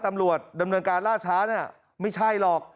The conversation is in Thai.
ตำรวจดำเนินการล่าช้าเนี่ยไม่ใช่หรอก